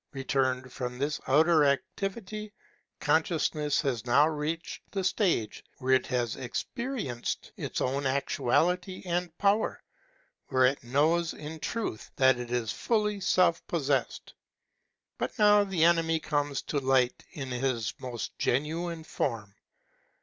Returned from this outer activity, consciousness has now reached the stage where it has experi enced its own actuality and power, where it knows in truth that it is fully self possessed. But now the enemy comes to light in his most genuine form.